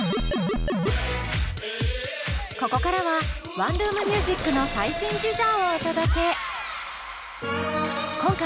ここからはワンルーム☆ミュージックの最新事情をお届け。